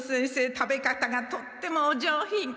食べ方がとってもお上品。